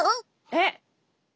えっ！